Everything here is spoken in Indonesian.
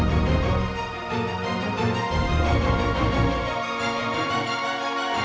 mereka pokoknya akan menarik semuanya jatuh tangan berikutnya